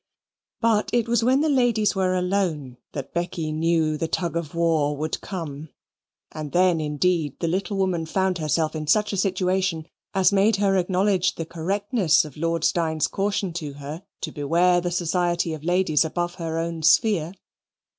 But it was when the ladies were alone that Becky knew the tug of war would come. And then indeed the little woman found herself in such a situation as made her acknowledge the correctness of Lord Steyne's caution to her to beware of the society of ladies above her own sphere.